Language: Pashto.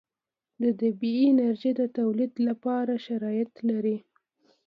د طبعي انرژي د تولید لپاره شرایط لري.